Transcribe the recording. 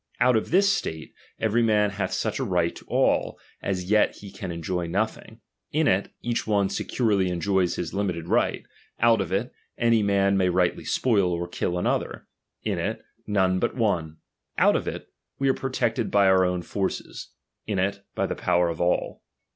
Out of this state, every man hath such a right to all, as yet he can enjoy nothing ; in it, each one securely enjoys his limited right. Out of it, any man may rightly spoil or kill another ; in it, none but one. Out of it, we are protected by our own forces ; in it, by the power of all.